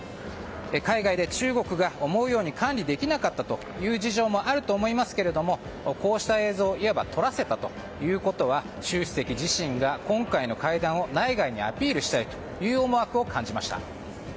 海外で、中国が思うように管理できなかったという事情もあると思いますけれどもこうした映像をいわば撮らせたということは習主席自身が、今回の会談を内外にアピールしたいという思惑を感じました。